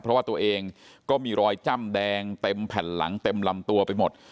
เพราะว่าตัวเองก็มีรอยจ้ำแดงเต็มแผ่นหลังเต็มลำตัวไปหมด